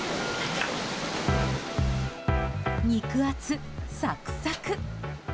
肉厚、サクサク。